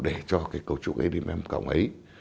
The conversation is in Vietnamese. để cho cái cấu trúc adm ấy